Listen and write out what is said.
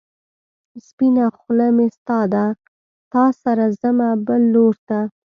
سپينه خلۀ مې ستا ده، تا سره ځمه بل لور ته